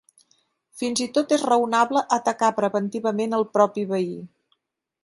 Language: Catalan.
Fins i tot és raonable atacar preventivament el propi veí.